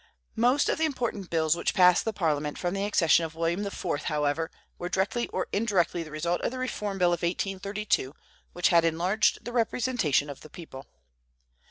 Most of the important bills which passed the Parliament from the accession of William IV., however, were directly or indirectly the result of the Reform Bill of 1832, which had enlarged the representation of the people.